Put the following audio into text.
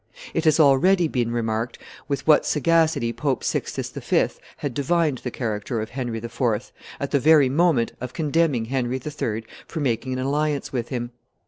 It has already been remarked with what sagacity Pope Sixtus V. had divined the character of Henry IV., at the very moment of condemning Henry III. for making an alliance with him.